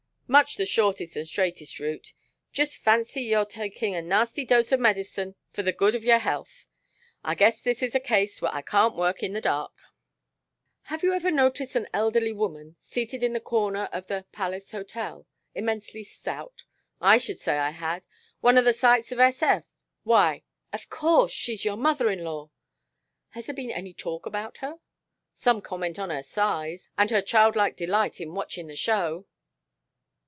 "Much the shortest and straightest route. Just fancy you're takin' a nasty dose of medicine for the good of your health. I guess this is a case where I can't work in the dark." "Have you ever noticed an elderly woman, seated in the court of the Palace Hotel immensely stout?" "I should say I had. One of the sights of S.F. Why of course she's your mother in law!" "Has there been any talk about her!" "Some comment on her size. And her childlike delight in watchin' the show."